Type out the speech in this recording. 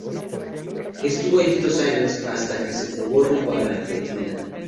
Estuvo allí dos años, hasta que se fugó rumbo a la Argentina.